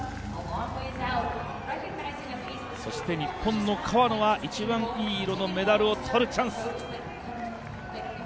そして日本の川野は一番いい色のメダルを取るチャンス。